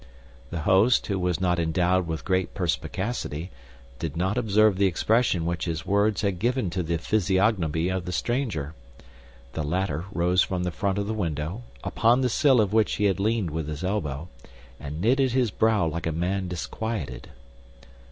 The host, who was not endowed with great perspicacity, did not observe the expression which his words had given to the physiognomy of the stranger. The latter rose from the front of the window, upon the sill of which he had leaned with his elbow, and knitted his brow like a man disquieted.